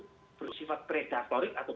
bersifat predatorik atau